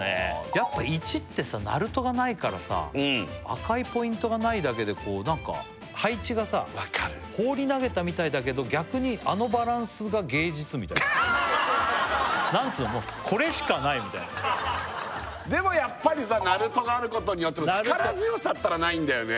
やっぱ①ってさなるとがないからさ赤いポイントがないだけで何か配置がさわかる放り投げたみたいだけど逆にあのバランスが芸術みたいななんつのこれしかないみたいなでもやっぱりさなるとがあることによって力強さったらないんだよね